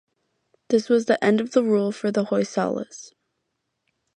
This was the end of the rule of the Hoysalas.